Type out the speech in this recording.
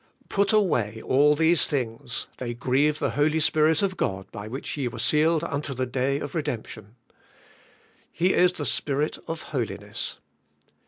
Put away all these things; they grieve the Hol}^ Spirit of God by which ye were sealed unto the day of redemption. He is the Spirit of holiness.